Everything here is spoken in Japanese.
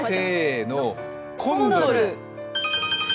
コンドル。